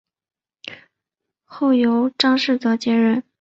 后由张世则接任。